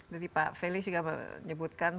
jadi pak felix juga menyebutkan